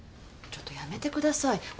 ちょっとやめてください。